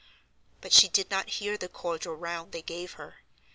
But she did not hear the cordial round they gave her.